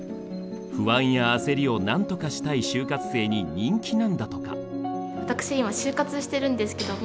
不安や焦りをなんとかしたい就活生に人気なんだとか。